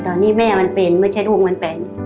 ตอนนี้แม่มันเป็นไม่ใช่ลูกมันเป็น